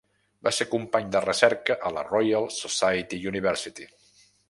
Va ser company de recerca a la Royal Society University.